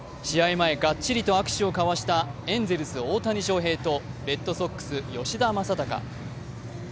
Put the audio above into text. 前、がっちりと握手を交わしたエンゼルス・大谷翔平とレッドソックス・吉田正尚。